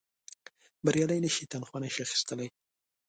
بریالي نه شي تنخوا نه شي اخیستلای.